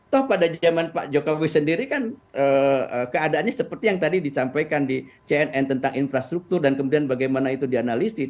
toh pada zaman pak jokowi sendiri kan keadaannya seperti yang tadi disampaikan di cnn tentang infrastruktur dan kemudian bagaimana itu dianalisis